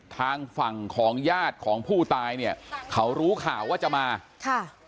ทางฝั่งของญาติของผู้ตายเนี่ยเขารู้ข่าวว่าจะมาค่ะ